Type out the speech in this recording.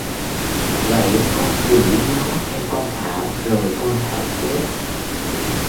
Vậy con quỷ nó theo con Thảo rồi con Thảo chết